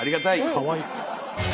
かわいい。